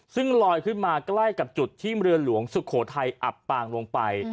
ซึ่งลอยขึ้นมาใกล้กับจุดที่เรือหลวงสุโขทัยอับปางลงไป